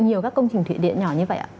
nhiều các công trình thủy điện nhỏ như vậy ạ